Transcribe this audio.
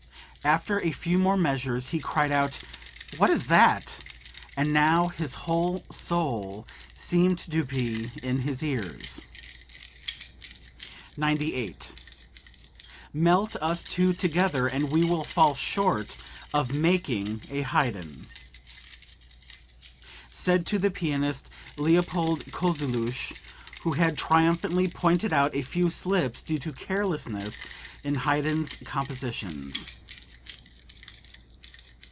After a few more measures he cried out: 'What is that?' and now his whole soul seemed to be in his ears.") 98. "Melt us two together, and we will fall far short of making a Haydn." (Said to the pianist Leopold Kozeluch who had triumphantly pointed out a few slips due to carelessness in Haydn's compositions.)